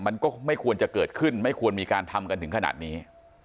มันก็ไม่ควรจะเกิดขึ้นไม่ควรมีการทำกันถึงขนาดนี้